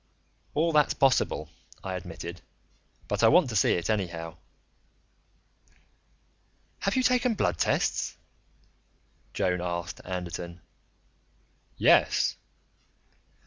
"All that's possible," I admitted. "But I want to see it, anyhow." "Have you taken blood tests?" Joan asked Anderton. "Yes."